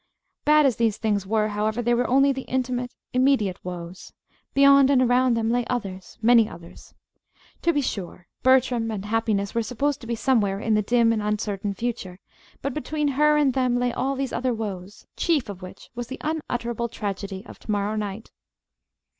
Bad as these things were, however, they were only the intimate, immediate woes. Beyond and around them lay others many others. To be sure, Bertram and happiness were supposed to be somewhere in the dim and uncertain future; but between her and them lay all these other woes, chief of which was the unutterable tragedy of to morrow night.